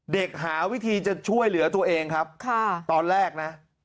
หาวิธีจะช่วยเหลือตัวเองครับตอนแรกนะ